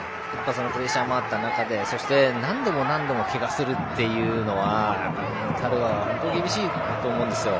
そのプレッシャーもあった中でそして何度も何度もけがするというのは彼は本当に厳しいと思うんですよ。